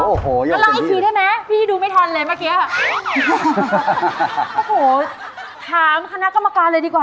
โอ้สนุกมาก